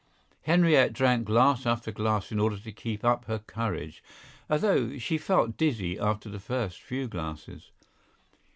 Henriette drank glass after glass in order to keep up her courage, although she felt dizzy after the first few glasses.